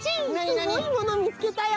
すごいものをみつけたよ！